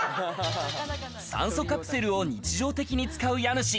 酸素カプセルを日常的に使う家主。